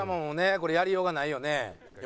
これやりようがないよね。